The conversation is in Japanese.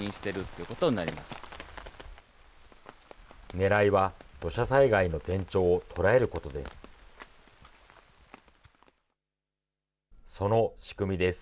ねらいは土砂災害の前兆を捉えることです。